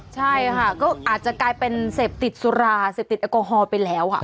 ใช่ค่ะก็อาจจะกลายเป็นเสพติดสุราเสพติดแอลกอฮอล์ไปแล้ว